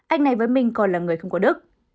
anh này với mình còn là người không có đức